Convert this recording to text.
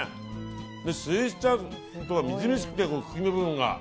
スイスチャードがみずみずしくて茎の部分が。